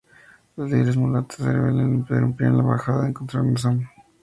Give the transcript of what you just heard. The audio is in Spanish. Los líderes mulatos de los rebeldes irrumpieron en la embajada y encontraron a Sam.